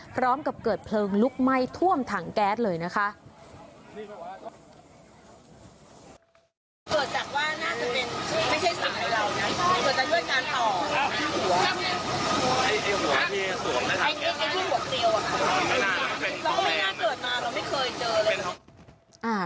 พร้อมกับเกิดเพลิงลุกไหม้ท่วมถังแก๊สเลยนะคะ